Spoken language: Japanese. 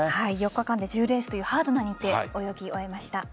４日間で１０レースというハードな日程泳ぎを終えました。